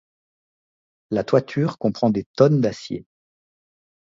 La toiture comprend tonnes d'acier.